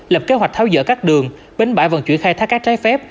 lập kế hoạch tháo dỡ các đường bến bãi vận chuyển khai thác các trái phép